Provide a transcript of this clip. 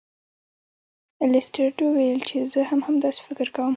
لیسټرډ وویل چې زه هم همداسې فکر کوم.